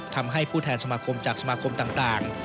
ทำให้ผู้แทนสมาคมจากสมาคมต่าง